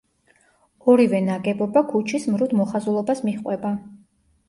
ორივე ნაგებობა ქუჩის მრუდ მოხაზულობას მიჰყვება.